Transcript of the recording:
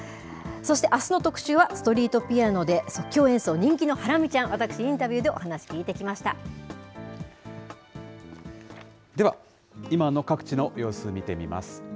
そして、あすの特集は、ストリートピアノで即興演奏、人気のハラミちゃん、私、インタビューでおでは、今の各地の様子、見てみます。